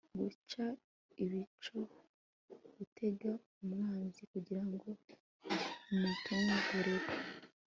guca ibico gutega umwanzi kugira ngo umutunguire